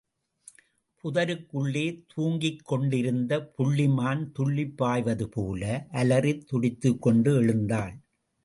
புதருக்குள்ளே தூங்கிக்கொண்டிருந்த புள்ளிமான் துள்ளிப் பாய்வதுபோல, அலறித் துடித்துக் கொண்டு எழுந்தாள்.